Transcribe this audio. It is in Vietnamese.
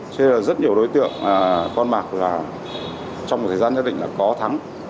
cho nên là rất nhiều đối tượng con bạc trong một thời gian nhất định là có thắng